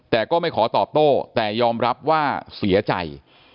แต่ก็ไม่ขอตอบโต้แต่ยอมรับว่าเสียใจ